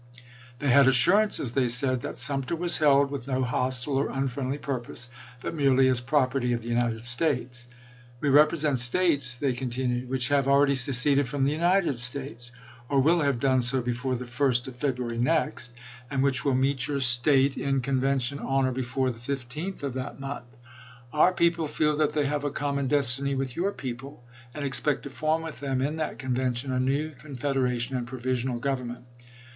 They had assurances, they said, that Sumter was held with no hostile or unfriendly purpose, but " merely as property of the United States." " We represent States," they continued, "which have already seceded from the United States, or will have done so before the 1st of February next, and 156 ABRAHAM LINCOLN chap. xi. which will meet your State in convention on or be fore the 15th of that month. Our people feel that they have a common destiny with your people, and expect to form with them, in that convention, a new confederation and provisional government.